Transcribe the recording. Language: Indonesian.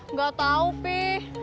nggak tau pih